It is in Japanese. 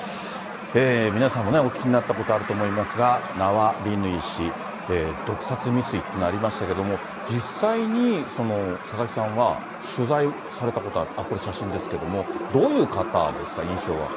皆さんもお聞きになったこと、あると思いますが、ナワリヌイ氏、毒殺未遂というのがありましたけれども、実際に、佐々木さんは取材されたことある、あっ、これ、写真ですけれども、どういう方ですか、印象は。